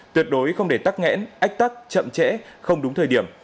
tuyệt đối không để tắc nghẽn ách tắc chậm trễ không đúng thời điểm